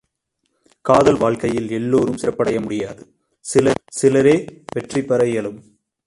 காதல் வாழ்க்கையில் எல்லாரும் சிறப்படைய முடியாது, சிலரே வெற்றிபெற இயலும்!